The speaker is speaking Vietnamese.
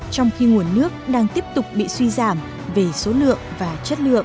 trong khi nguồn nước đang tiếp tục bị suy giảm về số lượng và chất lượng